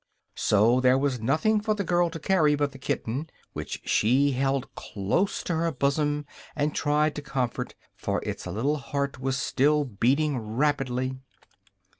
So there was nothing for the girl to carry but the kitten, which she held close to her bosom and tried to comfort, for its little heart was still beating rapidly.